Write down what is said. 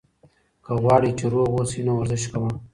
که غواړې چې روغ اوسې، نو ورزش کوه.